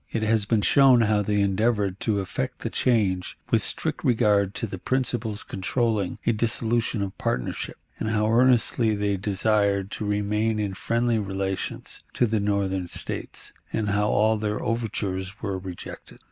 It has been shown how they endeavored to effect the change with strict regard to the principles controlling a dissolution of partnership, and how earnestly they desired to remain in friendly relations to the Northern States, and how all their overtures were rejected.